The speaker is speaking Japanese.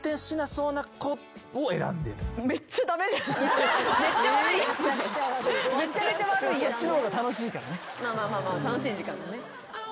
そっちのが楽しいからね。